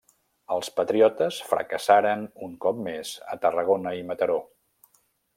Els patriotes fracassaren un cop més a Tarragona i Mataró.